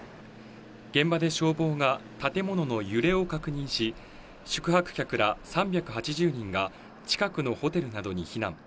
現場で消防が建物の揺れを確認し、宿泊客ら３８０人が近くのホテルなどに避難。